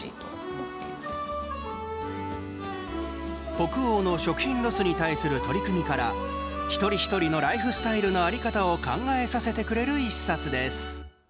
北欧の食品ロスに対する取り組みから一人一人のライフスタイルの在り方を考えさせてくれる１冊です。